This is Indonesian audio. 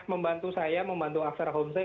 membantu saya membantu aksara homestay